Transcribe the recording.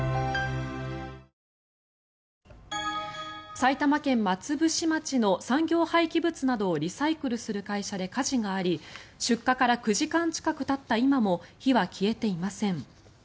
埼玉県松伏町の産業廃棄物などをリサイクルする会社で火事があり出火から９時間近くたった今も火は消えていません。